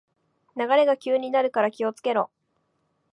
流れが急になるから気をつけろ